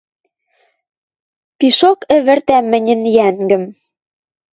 Пишок ӹвӹртӓ мӹньӹн йӓнгӹм.